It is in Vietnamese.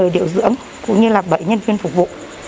một mươi điều dưỡng cũng như là bảy nhân viên phục vụ